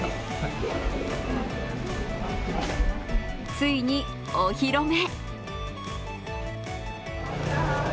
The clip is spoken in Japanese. ついにお披露目。